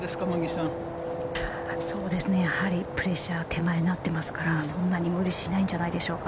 やはりプレッシャーは手前になってますから、そんなに無理しないんじゃないでしょうか。